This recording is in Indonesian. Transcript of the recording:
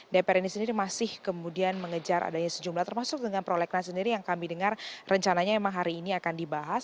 dpr ini sendiri masih kemudian mengejar adanya sejumlah termasuk dengan prolegnas sendiri yang kami dengar rencananya memang hari ini akan dibahas